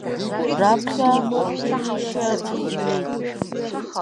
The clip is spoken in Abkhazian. Раԥхьа аучилишье аҿы иҩеит.